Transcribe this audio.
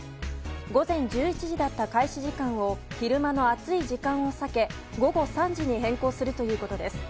午前１１時だった開始時間を昼間の暑い時間を避け午後３時に変更するということです。